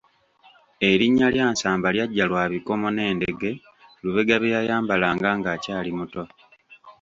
Erinnya lya Nsamba lyajja lwa bikomo n'endege Lubega bye yayambalanga ng'akyali muto.